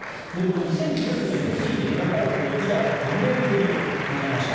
２０１９年、北京で開かれて以来４年ぶりとなりました。